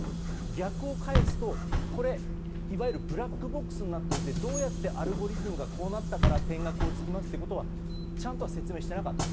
逆を返すと、いわゆるブラックボックスになっていてどうやってアルゴリズムがこうなったからこんな点が付きますということをちゃんとは説明していなかった。